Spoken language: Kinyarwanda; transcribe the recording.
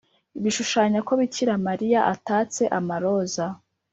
bishushanya ko bikira mariya atatse amaroza